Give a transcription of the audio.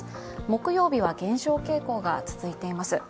木曜日は減少傾向が続いています。